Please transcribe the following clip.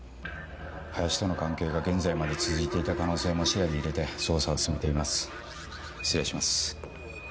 林との関係が現在まで続いていた可能性も視野に入れて捜査を進めています失礼します。